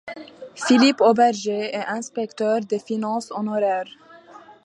Philippe Auberger est inspecteur des finances honoraire.